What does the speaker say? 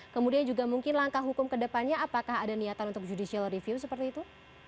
kemudian juga mungkin langkah hukum ke depannya apakah ada niatan untuk judicial review seperti itu